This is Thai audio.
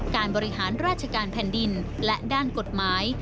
การบริหารราชการแผ่นดินและด้านกฎหมาย